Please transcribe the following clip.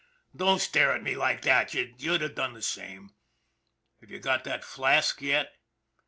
Don't stare at me like that, you'd have done the same. Have you got that flask yet